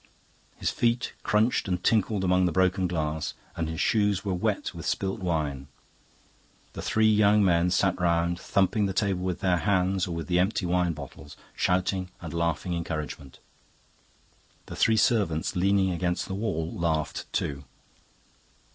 His feet crunched and tinkled among the broken glass, and his shoes were wet with spilt wine. The three young men sat round, thumping the table with their hands or with the empty wine bottles, shouting and laughing encouragement. The three servants leaning against the wall laughed too.